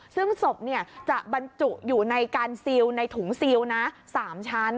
ซึ่งศพจะบรรจุอยู่ในการซิลในถุงซิลนะ๓ชั้น